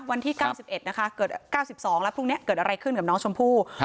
วันที่๙๑นะคะเกิด๙๒แล้วพรุ่งนี้เกิดอะไรขึ้นกับน้องชมพู่